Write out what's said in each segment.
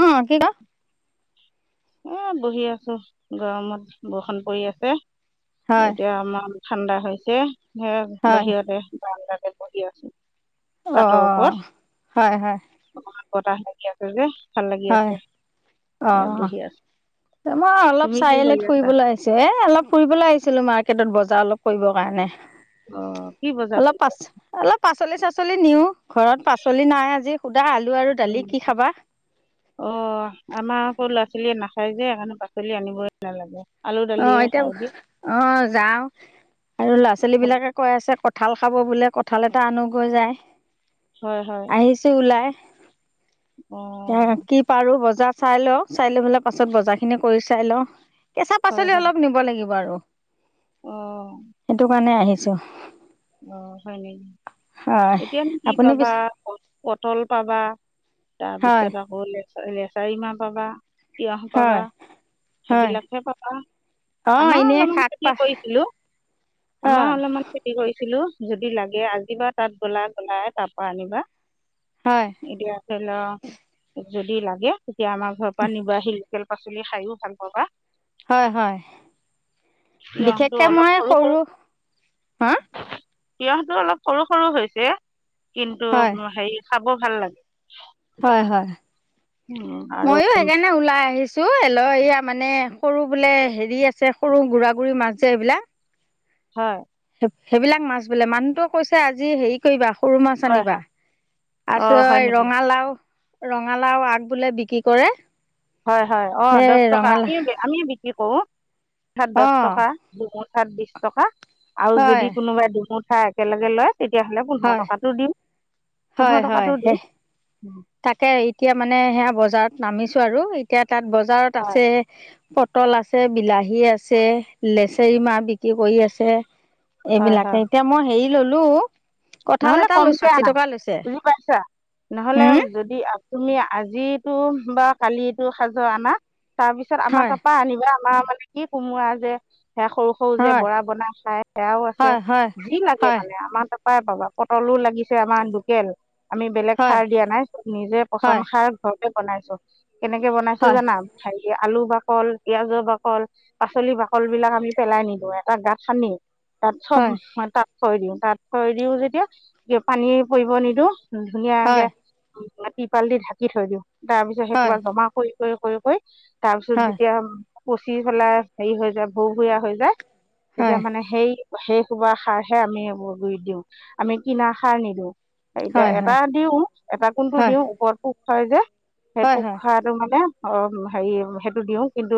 অ। [unintelligible] [inaudible] এ বহি আছোঁ গৰমত বৰষুণ পৰি আছে হয় এতিয়া আমাৰ। ঠাণ্ডা হৈছে যে হয় বাহিৰতে বাৰাণ্ডাতে বহি আছোঁ। অ চাটৰ হয় হয় ওপৰত বতাহ বলি আছে যে। ভাল লাগি হয় আছে অ সেয়ে বহি আছোঁ। মই অলপ চাৰিআলিত আছা ফুৰিবলৈ আহিছোঁ এ অলপ ফুৰিবলৈ আহিছিলো মাৰ্ট। বজাৰ অলপ কৰিব কাৰণে অ কি বজাৰ কৰি অলপ আছা? অলপ পাচলি সাচলি। পাচলি নিও ঘৰত পাচলি নাই আজি সুধা আলু আৰু হয় দালি কি নেকি খাবা। অ আমাৰ সৰু ল'ৰা-ছোৱালীয়ে নাখায় যে সেইকাৰণে পাচলি আনিবই নালাগে। আলু অ দালিয়ে এতিয়া খাই দিয়ে অ যাওঁ আৰু ল'ৰা-ছোৱালী বিলাকে কৈ আছে ক। কঁঠাল খাব বোলে কঁঠাল এটা আনগৈ যাই হয় হয় আহিছোঁ ওলাই। অ এতিয়া কি পাৰোঁ বজা। বজা চাই লওঁ চাই লৈ পেলাই পাছত বজাৰ খিনি কৰি চাই লওঁ কেঁচা হয় পাচলি হয় অলপ নিব লাগিব আৰু। অ সেইটো কাৰণে আহিছোঁ। অ হয় নেকি হয় এতিয়ানো কি আপুনি পাবা পিছে পতল পাবা। হয় তাৰপিছত আকৌ লেচাৰ লেচাৰি মাহ পাবা তিয়হ পাবা। হয় হয় সেইবিলাকহে পাবা অঁ আমাৰ এনেই অলপমান শাক খেতি পাচ কৰিছিলো। আমাৰ অঁ অলপমান খেতি কৰি। ছিলো যদি লাগে আজিবা তাত গ'লা গলাই তাৰ পৰা আনিবা। হয় এতিয়া ধৰি লওঁ যদি লাগে তেতিয়া আমাৰ ঘৰৰ পৰা নিব আহিল। লোকেল পাচলি খাইও ভাল পাবা। হয় হয়। বিশেষকে মই সৰু হা। তিয়হটো অলপ সৰু সৰু হৈছে কিন্তু হয় হেৰি খাব ভাল লাগে। হয় হয় উম, আৰু মইও সেইকাৰণে ওলাই আহিছোঁ। চো হল এয়া মানে সৰু বোলে হেৰি আছে সৰু গুৰা গুৰি মাছ যে এইবিলাক। হয়। সেইবিলাক মাছ বোলে মানুহতো কৈছে আজি হেৰি কৰিবা। সৰু মাছ হয় আনিবা হয় অঁ তাৰপিছত হয় নেকি ৰঙালাওঁ। ৰঙালাওঁ আগ বোলে বিক্ৰী কৰে। হয় হয় অ দহ সেই টকা ৰঙালাও আমি আমি বিক্ৰী কৰোঁ মুঠাত দহ অঁ টকা। মুঠাত বিশ টকা আৰু হয় যদি কোনোবাই দুমুঠা একেলগে লয়। তেতিয়াহ'লে পোন্ধৰ হয় টকাটো দিওঁ। পোন্ধৰ হয় টকাটো হয় হে দিওঁ তাকে এতিয়া মানে সেয়া বজাৰত। নামিছো আৰু এতিয়া তাত বজাৰত হয় আছে। পটল আছে বিলাহী আছে লেচৰি মাহ বিক্ৰী কৰি আছে। হয় এইবিলাকে হয় এতিয়া মই হেৰি ল'লো। কঁঠাল নহ'লে এটা লৈছো কমকে আশী আনা টকা লৈছে বুজি পাইছা নহ'লে। উম ইফালে যদি তুমি আজিতো বা কালিতো। [unintelligible] তাৰপিছত আমাৰ হয় তাৰপা আনিবা, আমাৰ মানে কি কোমোৱা যে সেয়া সৰু সৰু যে হয় বৰা বনাই খাই সেয়াও আছে। হয় হয় যি লাগে হয় মানে, আমাৰ তাপায় পাবা। পটলো লাগিছে আমাৰ লোকেল। আমি বেলেগ হয় সাৰ দিয়া নাই, চব নিজে পচন্দ হয় সাৰ ঘৰত বনাইছো। কেনেকে বনাইছো হয় জানা! ভ আলু বাকল, পিয়াজৰ বাকল, পাচলি বাকল বিলাক আমি পেলাই নিদিওঁ। এটা গাঁত খানী তাত চব হয় তাত থৈ দিওঁ। তাত থৈ দিও যেতিয়া পানী পৰিব নিদিওঁ। ধুনীয়াকে হয় হয় তিৰপাল দি ঢাকি থৈ দিওঁ তাৰ পিছত সেই হয় কিবা জমা কৰি কৰি কৰি কৰি। তাৰ পিছত হয় যেতিয়া পচি ফেলাই হেৰি হৈ যায় ভুৰ ভুৰীয়া হৈ যায়। তেতিয়া হয় মানে সেই সেই সোৱা সাৰহে আমি গুৰিত দিওঁ আমি কিনা সাৰ নিদিওঁ। এতিয়া হয় হয় হয় এটা দিও এটা কোনটো দিওঁ ওপৰত পোক খাই যে। সেই পোখ হয় খোৱাটো মানে। অ হেৰি সেইটো দিওঁ কিন্তু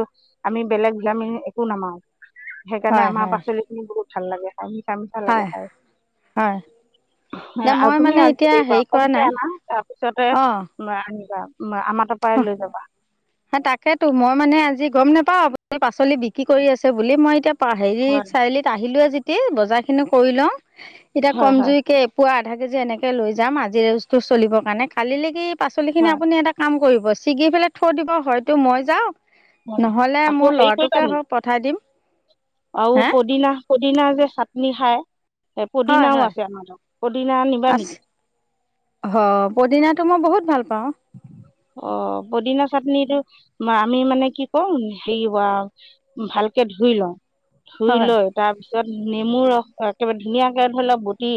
আমি বেলেগ বিলামি একো নামাৰোঁ। সেইকাৰণে হয় আমাৰ হয় পাচলি খিনি বহুত ভাল লাগে খাই, মিঠা মিঠা লাগে হয় খাই। হয়। দে আৰু মই তুমি মানে আজি এতিয়া হেৰি কৰা, কমকে নাই আনা তাৰপিছতে অঁ আনিবা। আমাৰ তাৰ পৰাই লৈ যাবা। হা তাকেতো, মই মানে আজি গম নোপাও আপুনি পাচলি বিক্ৰী কৰি আছে বুলি। মই এতিয়া হেৰি হয় চাৰিআলিত আহিলো যেতিয়া বজাৰ খিনি কৰি লওঁ। এতিয়া হয় হয় কমজুৰি কে এপোৱা আধা কেজি এনেকৈ লৈ যাম আজিৰ সাজটো চলিব কাৰণে, কালিলৈ কি পাচলিখিনি হয় আপুনি এটা কাম কৰিব ছিগি পেলাই থৈ দিব, হয়তো মই যাওঁ। হয় নহলে আকৌ মোৰ হেৰি কৰিবা ল'ৰাটোকে নি হয় পঠাই দিম। আৰু হে পদিনা, পদিনা যে চাটনি খায়! এ হয় পুদিনাও হয় আছে আমাৰ ঘৰত। পুদিনা নিবা নেকি? অ', পুদিনাটো মই বহুত ভাল পাওঁ। অ', পদিনা চাটনিটো আমি মানে, কি কম, হেৰি ভালকে ধুই ধুই লওঁ, ধুই হয় লৈ তাৰ পিছত নেমু ৰস একেবাৰে ধুনীয়াকে ধৰি ল' গুটি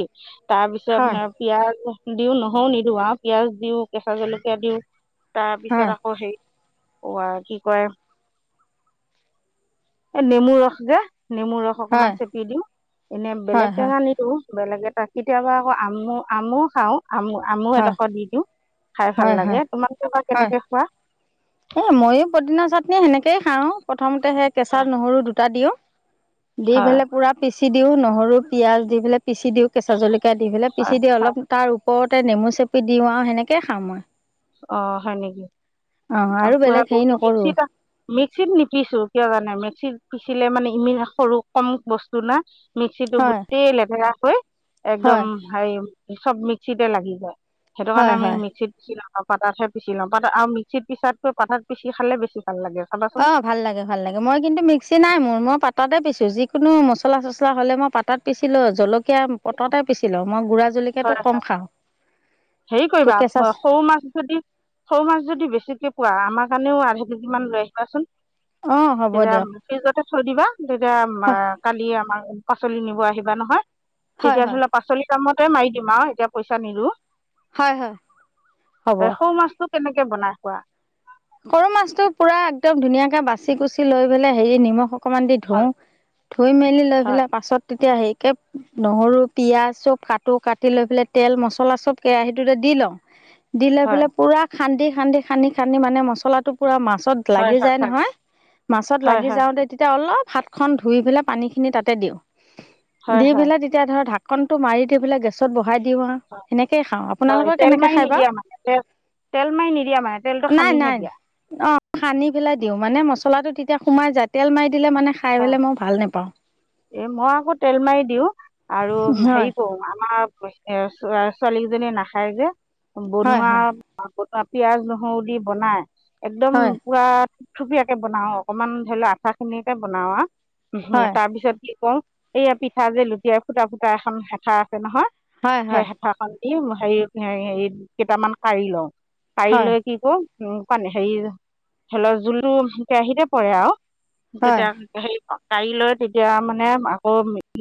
তাৰপিছত হয় পিঁয়াজ দিওঁ, নহৰুও নিদিওঁ আৰু পিঁয়াজ দিওঁ, কেচা জলকীয়া দিওঁ। তাৰপিছত হয় আকৌ সেই অ', কি কয়, এই নেমু ৰস যে নেমু ৰস অকমান হয় চেপি দিওঁ। এনে বেলেগ হয় হয় টেঙা নিদিওঁ বেলেগে তাত। কেতিয়াবা আকৌ আম আমো খাওঁ। আমু, আমু হয় এডোখৰ দি দিওঁ, খাই ভাল হয় হয় লাগে। তোমালোকে বা হয় কেনেকে খোৱা! এ মইো পদিনা চাটনি সেনেকেই খাওঁ, প্ৰথমতে সেই কেঁচা নহৰু দুটা দিওঁ। দি হয় পেলই পুৰা পিচি দিওঁ, নহৰু পিয়াঁজ দি পেলাই পিচি দিওঁ কেঁচা জলক কিয়া দি পেলাই হয় পিচি দিওঁ হয় অলপ, তাৰ ওপৰতে নেমু চেপি দিও আৰু সেনেকে খাওঁ মই। অঁ, হয় নেকি? অঁ আৰু বেলেগ হেৰি নকৰোঁ [unintelligible] মিক্সিট, মিক্সিত নিপিছো কিয় জানে? মিক্সিত পিচিলে মানে ইমান সৰু কম বস্তু না, মিক্সিটো হয় গোটেই লেতেৰা হৈ একদম হয় চাই, চব মিক্সিতে লাগি যায় সেইটো কাৰণে হয় আমি হয় মিক্সিতি [unintelligible] পতাত হে পিচি লওঁ, পতা, আৰু মিক্সিত পিছাতকৈ পালতাত পিছি খালে বেছি ভাল লাগে চাবাচোন অ', ভাল লাগে, ভাল লাগে। মই কিন্তু মিক্সি নাই মোৰ মই পাততে পিছো যি কোনো মছলা-চচলা হ'লে মই পতাত পিচছি লওঁ, জলকীয়া পতাতে পিচি লওঁ, মই গুড়া জলকীয়াটো হয় কম খাওঁ। হেৰি তো কৰিবা কেঁচা সৰু মাছ যদি, সৰু মাছ যদি বেছিকে পোৱা আমাৰ কাৰণেও আধা কেজি মান লৈ আহিবাচোন। অঁ হ'ব তেতিয়া দিয়ক ফ্ৰিজতে থৈ দিবা। তেতিয়া হয় কালি আমাৰ পাচলি নিব আহিবা নহয়, হয় তেতিয়া হয় ধৰি লোৱা পাচলি [unintelligible] মতে মাৰি দিম আৰু এতিয়া পইচা নিদিওঁ। হয়, হয়। হ'ব। কেনেকে বনাই খোৱা? সৰু মাছটো পুৰা একদম ধুনীয়াকে বাচি কুচি লৈ পেলাই হেৰি নিমখ অকমান দি ধুও হয় ধুই মেলি লৈ হয় পেলাই পাছত। - এতিয়া হেইকে নহৰু পিয়াজ চব কাটো কাটি লৈ পেলাই তেল মছলা চব কেৰাহীটোতে দিলো। - দি লৈ হয় পেলে পুৰা খান্দি খান্দি খানি খানি মানে মচলাটো পুৰা মা- মাছত হয় লাগি যায় হয় নহয় মাছত হয় লাগি হয় যাওঁতে তেতিয়া অলপ- হাত খন ধুই পেলাই পানী খিনি তাতে দিওঁ হয় দি হয় পেলাই তেতিয়া ধৰ ঢাক ঢ়াকনটো মাৰি দি পেলাই গেছত বহাই দিওঁ আৰু হয় সেনেকেইে খাওঁ হয় আপোনালোকৰ তেল কেনেকে মাৰি খায় বা? নিদিয়া মানে তেল তেল মাৰি নিদিয়া মানে, তেলটো নাই নাই সানিহে দিয়া! অ', সানি পেলাই দিওঁ, মানে মছলাটো তেতিয়া সোমাই যায় তেল মাৰি দিলে মানে খাই হয় পেলাই মই ভাল নোপাওঁ। এই মই আকৌ তেল মাৰি দিওঁ আৰু হেৰি কৰো, আমাৰ ছোৱালীজনী নাখায় যে। হয় বনোৱা! হয় বনোৱা পিয়াজ নহৰু দি বনাই একদম হয় পুৰা থুপীয়াকে বনাও অকণমান ধৰি লোৱা আঠা খিনিকে বনাওঁ আৰু, হয় তাৰপিছত কি কওঁ এয়া পিঠা যে লুটিয়াই ফুটা ফুটা এখন হেফা আছে নহয় হয় সেই হয় হেফাখন। - এই হেৰি হ কেইটামান পাৰি লওঁ পাৰি হয় লৈ কি কও। - উ পানী হেৰি ধৰি লও জোলো কেৰাহিতে পৰে আৰু। হয় তেতিয়া হেই পা কা়ৰি লৈ তেতিয়া মানে আকৌ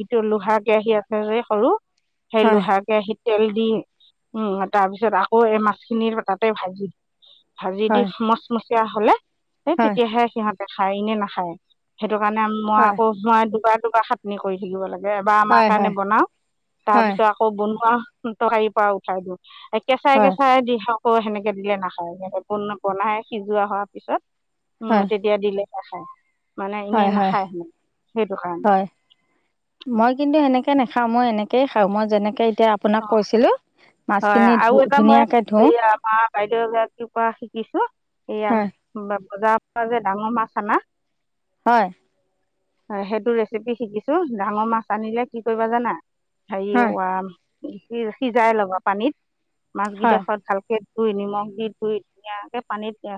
ইটো লোহা কেৰাহী আছে যে সৰু। - সেই হয় লোহা কেৰাহি - তেল দি উ তাৰ পিছত আকৌ এই মাছখিনিৰ তাতে ভাজি দি - ভাজি দি হয় মচমচিয়া হলে সেই তেতিয়াহে সিহঁতে খায় এনে নাখায়। সেইটো কাৰণে মই হয় আকৌ মই দুবাৰ দুবাৰ খাটনি কৰি থাকিব লাগে। এবাৰ আমাৰ হয় কাৰণে হয় বনাও হয় তাৰ হয় পিছত আকৌ বনোৱা তৰকাৰি পৰা উঠাই দিওঁ। কেঁচাই হয় কেঁচাই দি খাও। অ সেনেকে দিলে নাখায় বনাই সিজোৱা হোৱাৰ পিছত উম তেতিয়া দিলে - নাখায়। হয়হয় সিহঁতে সেইটো কাৰণে হয় মই কিন্তু সেনেকে। - [unintelligible] নাখাওঁ এনেকেয খাওঁ মই যেনেকৈ। - এতিয়া আপোনাক কৈছিলো হয় মাছখিনি আৰু ধু- এটা মই ধুনীয়াকে ধুও। এই আমাৰ বাইদেউ এগৰাকী পৰা শিকিছো এয়া হয় [unintelligible] বজাৰ পৰা যে ডাঙৰ মাছ আনা। - হয়। হয় সেইটো ৰেচিপি শিকিছো ডাঙৰ মাছ আনিলে কি কৰিবা জানা, হেৰি হয় [unintelligible] সিজাই লব পানীত হয় মাছকিডোখৰত ভালকে। - ধুই নিমখ দি ধুই ধুনীয়াকে পানীত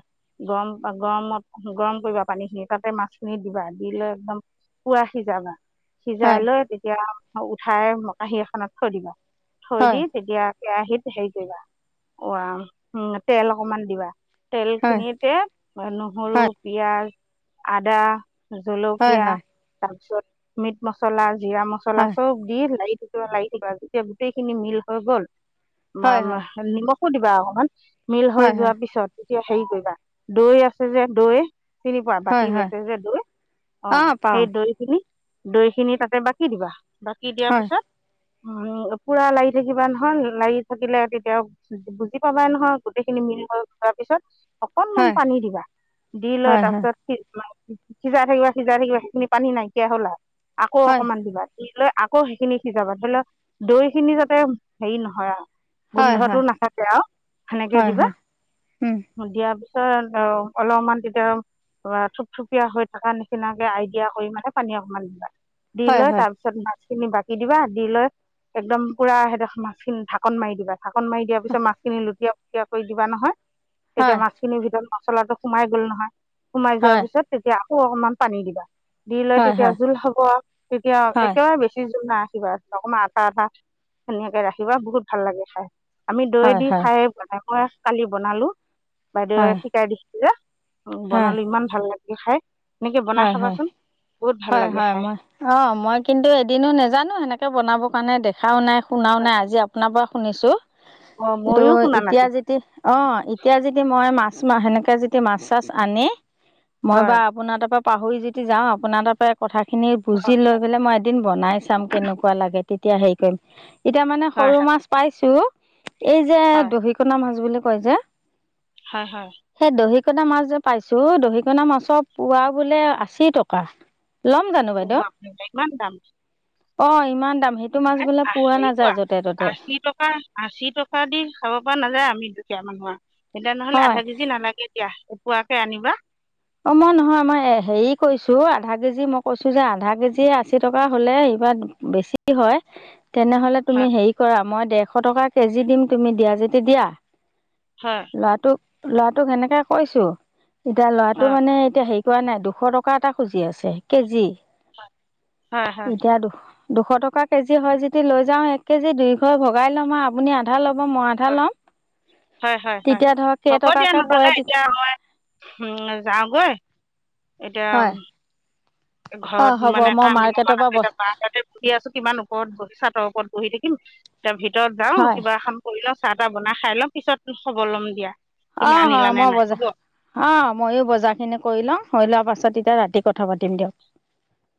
গৰম-গৰমত গৰম কৰিবা পানীখিনি। তাতে মাছখিনি দিবা দি লৈ একদম পুৱা সিজাবা। সিজাই হয় লৈ তেতিয়া উঠাই কাঁহী এখনত থৈ দিবা থৈ দি হয় তেতিয়া কেৰাহীত হেৰি কৰিবা অ উ তেল অকমান দিবা তেল হয় খিনিতে নহৰু হয় পিয়াজ, আদা হয় জলকীয়া হয় তাৰপিছত মিট মছলা জিৰা মছলা চব দি লাই লৱাই থাকিবা যেতিয়া গোটেইখিনি মিল হৈ গ'ল হয় হয় হয় নিমখ দিবা অকমান মিল হৈ হয় হয় যোৱাৰ পিছত তেতিয়া হেৰি কৰিবা দৈ আছে যে দৈ চিনি পোৱা হয় বাতি হয় বেচে যে দৈ অ সেই দৈ খিনি দৈ খিনি তাতে বাকি দিবা বাকি দিয়াৰ হয় পিছত উ পুৰা লাৰি থাকিবা নহয় লাৰি থাকিলে তেতিয়াক বুজি পাবাই নহয় গোটেইখিনি মিল থোৱাৰ পিছত অকনমান হয় পানী দিবা দি লৈ হয় হয় তাৰপিছত সিজাই থাকিবা সিজাই থাকিবা সেইখিনি পানী নাইকিয়া হল আৰু আকৌ হয় অকমান দিবা। লৈ আকৌ সেইখিনি সিজাবা ধৰি ল দৈ খিনি যাতে হেৰি নহয় আৰু। হয় হয় গোন্ধটো নাথাকে আৰু সেনেকে হয় দিবা হয় উম দিয়া [unintelligible] অলপমান তেতিয়া বা থুপথুপীয়া হৈ থকা নিচিনাকে আইডিয়া কৰি মানে পানী অকমান দিবা। দি হয় লৈ হয় তাৰপিছত মাছখিনি বাকি দিবা। দি লৈ একদম পুৰা সেই দেখৰ মাছখিনি ঢাকন মাৰি দিবা, মাছখিন ঢাকন মাৰি দিবা ঢাকন মাৰি দিয়াৰ পিছত মাছখিনি লুট থিয়, থিয় কৰি দিবা নহয়, তেতিয়া হয় মাছখিনিৰ ভিতৰত মছলাটো সোমাই গ'ল নহয়। সোমাই যোৱাৰ হয় পিছত তেতিয়া আকৌ অকনমান পানী দিবা। দি লৈ হয় তেতিয়া জোল হ'ব, তেতিয়া হয় একেবাৰে বেছি জোল নাৰাখিবা অকণমান [unintelligible] ধুনীয়াকে ৰাখিবা বহুত ভাল লাগে খাই, আমি দৈ হয় দি হয় খাই মানে মই কালি বনালো হয় বাইদেউৱে হয় শিকাই দিছিল যে বনালো ইমান ভাল লাগে খাই এনেকে বনাই হয় হয় হয় খাবাচোন। বহুত ভাল হয় লাগে হয় খাই মই অ মই কিন্তু এদিনো নেজানো সেনেকে বনাব। কাৰণে দেখাও নাই শুনাও নাই আজি আপোনাৰ পৰা শুনিছো। অঁ ময়ো দৈ শুনা এতিয়া নাছিলোঁ যেতি অ এতিয়া যেদি মই মাছ সেনেকে যেতিয়া মাছ চাছ আনে মই বা হয় আপোনাৰ তাৰপৰা পাহৰি যদি যাওঁ আপোনাৰ তাৰপৰা কথাখিনি হয় বুজি লৈ পেলাই মই এদিন বনাই চাম কেনেকুৱা লাগে। তেতিয়া হেৰি কৰিম এতিয়া মানে হয় সৰু হয় মাছ পাইছোঁ এই যে হয় দহিকণা মাছ বুলি কয় যে। হয়, হয়। সেই দহিকণা মাছ যে পাইছোঁ, দহিকণা মাছৰ পোৱা বোলে আশী টকা। ল'ম জানো উহ বাপ্ৰে ইমান দাম। অহ, ইমান দাম। সেইটো মাছ হে বোলে আহ পোৱা হেৰি নাযায় কোৱা, য'তে ত'তে আশী টকা আশী টকা দি খাব পৰা নাযায় আমি দুখীয়া মানুহ আৰু। এতিয়া নহ'লে হয় আধা কেজি নালাগে এতিয়া এপোৱাকে আনিবা। অহ, মই নহয় মই হেৰি কৈছোঁ, আধা কেজি মই কৈছোঁ যে আধা কেজি আশী টকা হ'লে কিবা বেছি হয়। তেনেহ'লে হয় তুমি হেৰি কৰা, মই দেৰশ টকা কেজি দিম তুমি দিয়া যদি দিয়া। হয় ল'ৰাটোক, ল'ৰাটোক সেনেকে কৈছোঁ। এতিয়া হয় ল'ৰাটো মানে এতিয়া হে পোৱা নাই দুশ টকা এটা খুজি আছে কেজি। হয়। হয়, হয়। এতিয়া দু দুশ টকা কেজি হয় যদি লৈ যাম, এক কেজি দুই ঘৰে ভগাই লম আৰু আপুনি আধা ল'ব। মই আধা ল'ম। হয় হয় হয়। তেতিয়া ধৰক হ'ব দিয়া কেইটকাকে নহ'লে পৰে এতিয়া মই উম। যাওঁগৈ, এতিয়া। হয় অ ঘৰত হ'ব মানে মই কাম মাৰ্কেটৰ অলপমান আছে, পৰা তাকে বাহিৰতে বহি আছোঁ, কিমান ওপৰত বহি চাটৰ ওপৰত বহি থাকিম। এতিয়া ভিতৰত যাওঁ, হয় কিবা এখন কৰি লওঁ, চাহ তাহ বনাই খাই লওঁ, পিছত খবৰ লম দিয়া। তুমি অহ, অহ। আনিলা নে মই নাই হ'ব বজাৰ অহ, ময়ো বজাৰখিনি কৰি লওঁ হৈ লোৱা পাছত তাৰপিছত তেতিয়া ৰাতি কথা পাতিম দিয়ক।